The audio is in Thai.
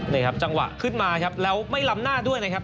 นี่ครับจังหวะขึ้นมาครับแล้วไม่ล้ำหน้าด้วยนะครับ